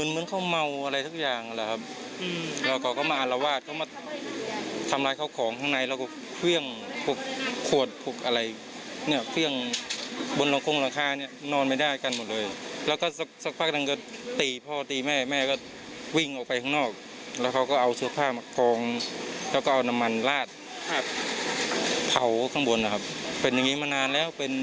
เป็นอย่างนี้มานานแล้ว